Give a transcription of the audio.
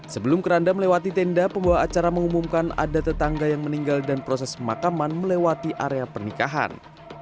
sebelum keranda melewati tenda pembawa acara mengumumkan ada tetangga yang meninggal dan proses pemakaman melewati area pernikahan